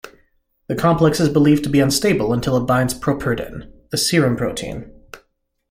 The complex is believed to be unstable until it binds properdin, a serum protein.